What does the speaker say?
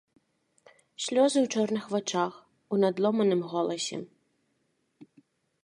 Слёзы ў чорных вачах, у надломаным голасе.